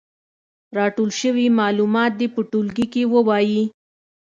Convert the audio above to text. راټول شوي معلومات دې په ټولګي کې ووايي.